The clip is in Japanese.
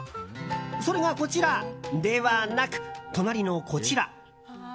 それがこちらではなく隣のこちら。